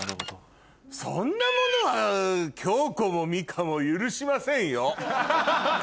そんなものは恭子も美香も許しませんよ。